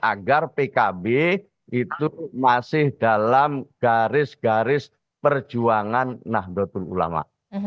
agar pkb itu masih dalam garis garis perjuangan nahdlatul ulama